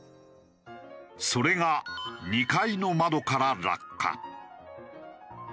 それが２階の窓から落下。